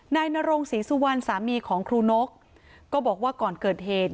นายนรงศรีสุวรรณสามีของครูนกก็บอกว่าก่อนเกิดเหตุ